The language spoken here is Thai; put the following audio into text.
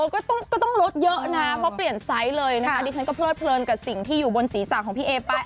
ก็ต้องลดเยอะนะเพราะเปลี่ยนไซส์เลยนะคะดิฉันก็เพลิดเพลินกับสิ่งที่อยู่บนศีรษะของพี่เอไป